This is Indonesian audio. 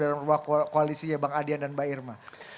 dalam rumah koalisi ya bang adian dan mbak irma